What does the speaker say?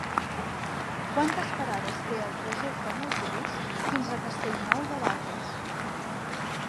Quantes parades té el trajecte en autobús fins a Castellnou de Bages?